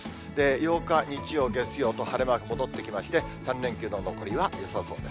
８日日曜、月曜と晴れマーク戻ってきまして、３連休の残りはよさそうです。